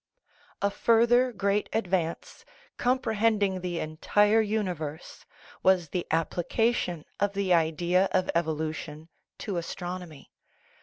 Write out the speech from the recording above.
A further great advance, comprehending the entire universe, was the application of the idea of evolution to astronomy.